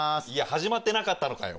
始まってなかったのかよ！